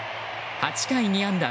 ８回２安打